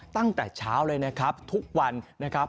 ตั้งแต่เช้าเลยนะครับทุกวันนะครับ